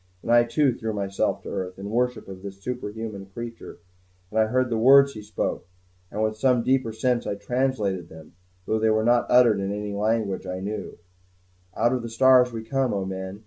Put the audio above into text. And I too threw myself to earth, in worship of this superhuman creature; and I heard the words he spoke, and with some deeper sense I translated them, though they were not uttered in any language I knew: "Out of the stars we come, O men!